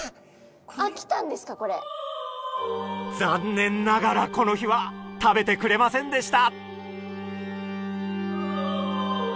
残念ながらこの日は食べてくれませんでした。